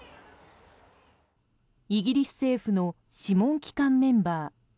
イギリス政府の諮問機関メンバー。